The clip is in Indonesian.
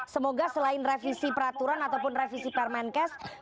semoga selain revisi peraturan ataupun revisi permenkes